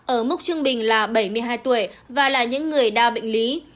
ở mức trung bình là bảy mươi hai tuổi và là những người đa bệnh lý